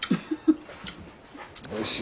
おいしい。